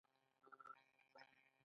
دا مثلث د بشري تمدن د جوړښت بنسټ دی.